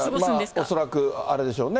恐らくあれでしょうね。